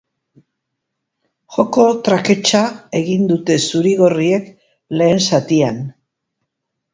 Joko traketsa egin dute zuri-gorriek lehen zatian.